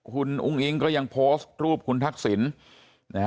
คุณอุ้งอิงก็ยังโพสต์รูปคุณนักศิลป์